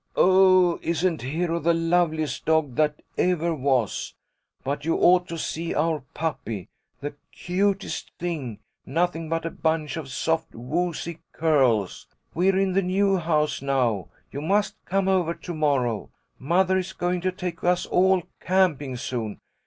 "Oh, isn't Hero the loveliest dog that ever was! But you ought to see our puppy the cutest thing nothing but a bunch of soft, woozy curls." ... "We're in the new house now, you must come over to morrow." ... "Mother is going to take us all camping soon.